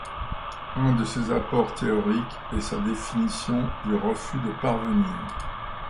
Un de ses apports théoriques est sa définition du refus de parvenir.